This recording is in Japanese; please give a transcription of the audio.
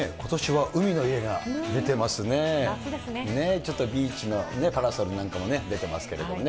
ちょっとビーチのパラソルなんかも出てますけれどもね。